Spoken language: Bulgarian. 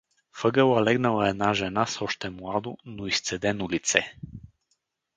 В ъгъла легнала една жена с още младо, но изцедено лице.